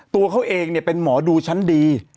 ตัวเขาเองเป็นหมอดูชั้นดี